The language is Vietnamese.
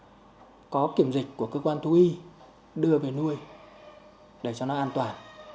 rõ ràng có kiểm dịch của cơ quan thu y đưa về nuôi để cho nó an toàn